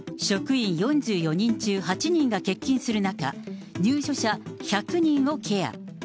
職員４４人中８人が欠勤する中、入所者１００人をケア。